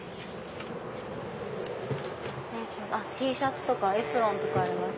Ｔシャツとかエプロンとかあります。